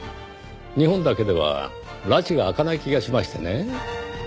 日本だけではらちが明かない気がしましてね。